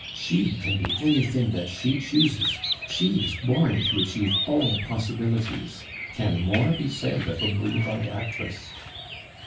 She can be anything that she chooses; she is born to achieve all possibilities; can more be said of a boulevard actress?